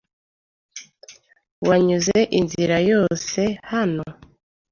Wanyuze inzira yose hano?